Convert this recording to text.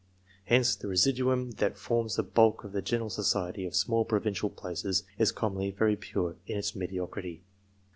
Hence, the residuum that forms the bulk of the general society of small provincial places, is commonly very pure in its mediocrity.